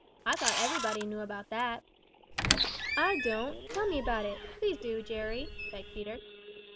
I thought everybody knew about that." "I don't. Tell me about it. Please do, Jerry," begged Peter.